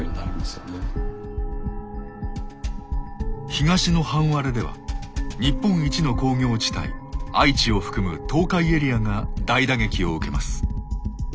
東の半割れでは日本一の工業地帯愛知を含む東海エリアが大打撃を受けます。